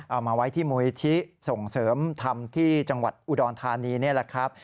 เอามาไว้ที่มูลิธิส่งเสริมธรรมที่จังหวัดอุดรธานีนี่แหละครับ